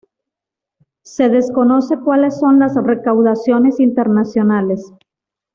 Se desconoce cuales son las recaudaciones internacionales.